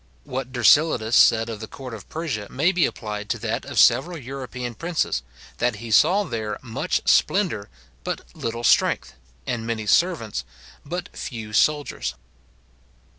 What Dercyllidas said of the court of Persia, may be applied to that of several European princes, that he saw there much splendour, but little strength, and many servants, but few soldiers.